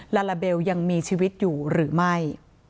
ลาลาเบลยังมีชีวิตอยู่หรือไม่